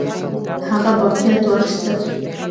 هغه باقیات واخیستل.